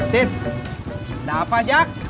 tis ada apa jak